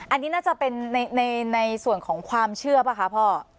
อันนี้น่าจะเป็นในส่วนของความเชื่อป่ะคะพ่อ